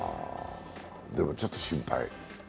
でもちょっと心配。